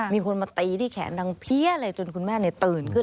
มีคนมาตีที่แขนดังเพี้ยเลยจนคุณแม่ตื่นขึ้น